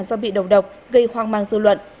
do bị đầu độc gây hoang mang dư luận